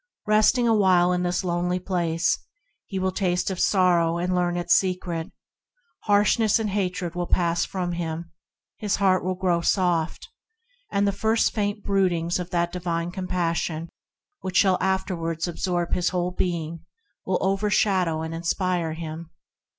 Resting awhile in this lonely place, he will taste of sorrow and learn its secret; harshness and hatred will pass from THE FINDING OF A PRINCIPLE 51 him; his heart will grow soft, and the first faint broodings of the divine compassion that shall afterwards absorb his whole being will overshadow and inspire him.